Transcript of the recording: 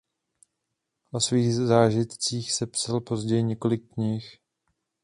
O svých zážitcích sepsal později několik knih.